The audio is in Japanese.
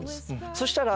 そしたら。